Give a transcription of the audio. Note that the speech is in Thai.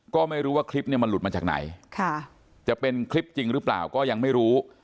ก็ไม่รู้ว่าคลิปเนี่ยมันหลุดมาจากไหนจะเป็นคลิปจริงหรือเปล่าก็ยังไม่รู้